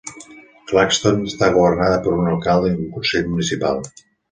Claxton està governada per un alcalde i un consell municipal.